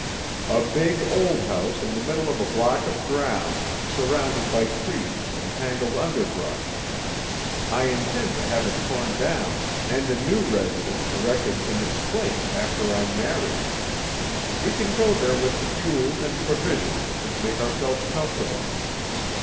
"A big, old house in the middle of a block of ground, surrounded by trees and tangled underbrush. I intend to have it torn down and a new residence erected in its place after I'm married. We can go there with fuel and provisions and make ourselves comfortable.